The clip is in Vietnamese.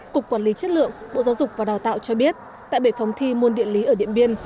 cục quản lý chất lượng bộ giáo dục và đào tạo cho biết tại bể phòng thi môn điện lý ở điện biên